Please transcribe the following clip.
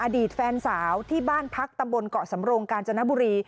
อดีตแฟนสาวที่บ้านพักตำบลเกาะสำโรงกาญจนบุรี